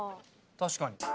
確かに。